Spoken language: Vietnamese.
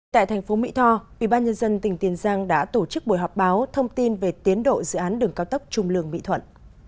tại thành phố mỹ tho ubnd tỉnh tiền giang đã tổ chức buổi họp báo thông tin về tiến độ dự án đường cao tốc trung lương mỹ thuận